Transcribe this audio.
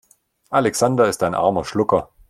Alexander ist ein armer Schlucker.